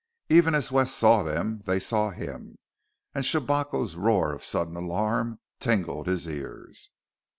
Even as Wes saw them, they saw him and Shabako's roar of sudden alarm tingled his ears.